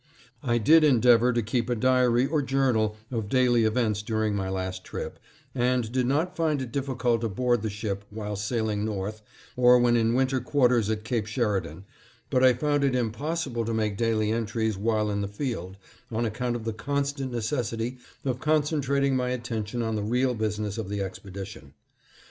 I did endeavor to keep a diary or journal of daily events during my last trip, and did not find it difficult aboard the ship while sailing north, or when in winter quarters at Cape Sheridan, but I found it impossible to make daily entries while in the field, on account of the constant necessity of concentrating my attention on the real business of the expedition.